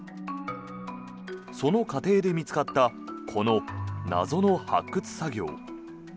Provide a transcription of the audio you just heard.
その過程で見つかったこの謎の発掘作業。